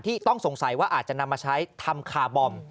ต้องสงสัยว่าอาจจะนำมาใช้ทำคาร์บอม